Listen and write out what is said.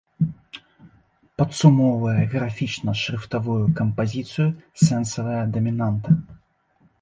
Падсумоўвае графічна-шрыфтавую кампазіцыю сэнсавая дамінанта.